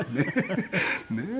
「ねえ。